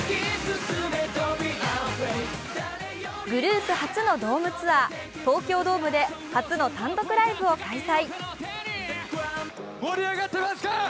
グループ初のドームツアー、東京ドームで初の単独ライブを開催。